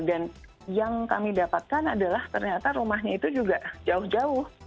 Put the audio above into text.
dan yang kami dapatkan adalah ternyata rumahnya itu juga jauh jauh